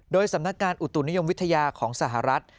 โดยสำนักงานอุตุนิยมวิทยาของสหรัฐ